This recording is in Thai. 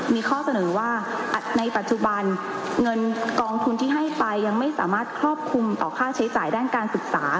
มีข้อเสนอว่าในปัจจุบันเงินกองทุนที่ให้ไปยังไม่สามารถครอบคลุมต่อค่าใช้จ่ายด้านการศึกษา